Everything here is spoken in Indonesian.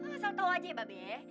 lu asal tahu aja ya ba be